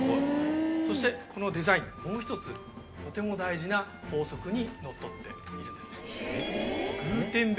そしてこのデザインもう一つとても大事な法則にのっとっているんですね。